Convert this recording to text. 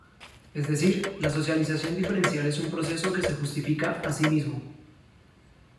Es decir, la socialización diferencial es un proceso que se justifica a sí mismo.